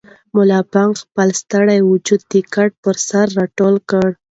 ملا بانګ خپل ستړی وجود د کټ پر سر راټول کړ.